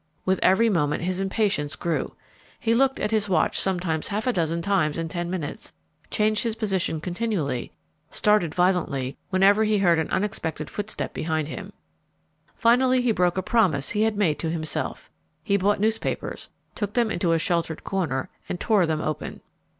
With every moment his impatience grew. He looked at his watch sometimes half a dozen times in ten minutes, changed his position continually, started violently whenever he heard an unexpected footstep behind him. Finally he broke a promise he had made to himself. He bought newspapers, took them into a sheltered corner, and tore them open.